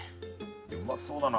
うまそうだな。